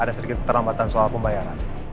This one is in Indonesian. ada sedikit terlambatan soal pembayaran